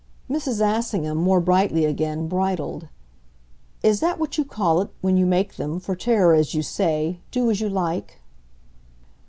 Mrs. Assingham, more brightly again, bridled. "Is that what you call it when you make them, for terror as you say, do as you like?"